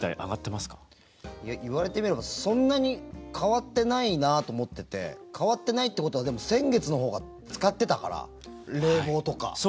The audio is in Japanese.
いわれてみればそんなに変わってないなと思ってて変わってないってことはでも先月のほうが使ってたから冷房とか。